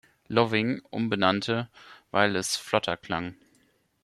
Loving“ umbenannte, weil es flotter klang.